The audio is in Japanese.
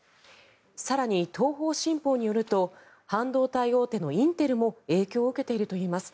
更に、東方新報によると半導体大手のインテルも影響を受けているといいます。